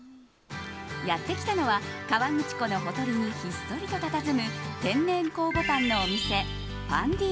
やってきたのは河口湖のほとりにひっそりとたたずむ天然酵母パンのお店Ｐａｎｄｉａｎ。